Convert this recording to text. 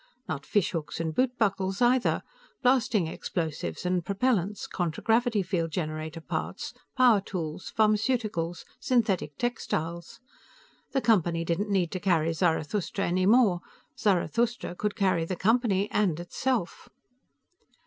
Not fishhooks and boot buckles, either blasting explosives and propellants, contragravity field generator parts, power tools, pharmaceuticals, synthetic textiles. The Company didn't need to carry Zarathustra any more; Zarathustra could carry the Company, and itself.